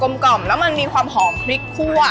กลมกล่อมแล้วก็มีความหอมนิดชั่ว